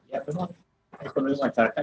ya memang ekonomi masyarakat